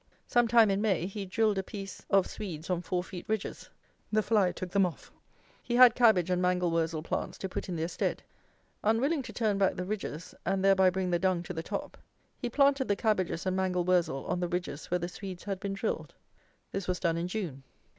Some time in May, he drilled a piece of Swedes on four feet ridges. The fly took them off. He had cabbage and mangel wurzel plants to put in their stead. Unwilling to turn back the ridges, and thereby bring the dung to the top, he planted the cabbages and mangel wurzel on the ridges where the Swedes had been drilled. This was done in June.